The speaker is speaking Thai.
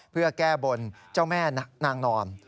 เพื่อแก้บนเจ้าแม่นางนอน